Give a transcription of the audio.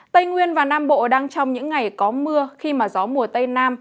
tây nguyên và nam bộ đang trong những ngày có mưa khi mà gió mùa tây nam